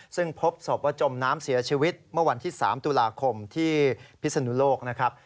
ซึ่งพบศพว่าจมน้ำเสียชีวิตเมื่อวันที่๓ตุลาคมที่พิศนุโลกนะครับ